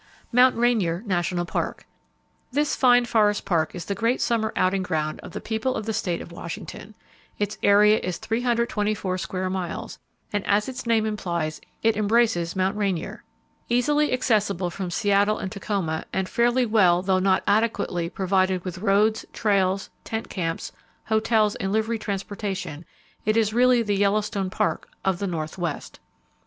Mount Rainier National Park. —This fine forest park is the great summer outing ground of the people of the state of Washington. Its area is 324 square miles, and as its name implies it embraces Mount Rainier. Easily accessible from Seattle and Tacoma, and fairly well—though not adequately—provided with roads, trails, tent camps, hotels and livery transportation, it is really the Yellowstone Park of the Northwest.